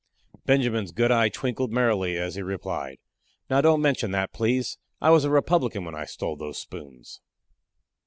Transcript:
Benjamin's good eye twinkled merrily as he replied: "Now, don't mention that, please. I was a Republican when I stole those spoons."